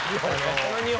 この２本。